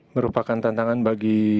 merupakan tantangan bagi